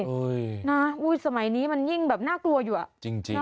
นะอุ้ยสมัยนี้มันยิ่งแบบน่ากลัวอยู่อ่ะจริง